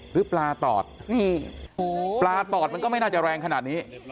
หรือปลาตอดนี่ปลาตอดมันก็ไม่น่าจะแรงขนาดนี้